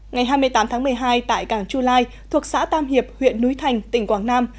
ngày hai mươi tám tháng một mươi hai tại cảng chu lai thuộc xã tam hiệp huyện núi thành tỉnh quảng nam